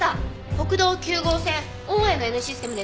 国道９号線大枝のＮシステムです。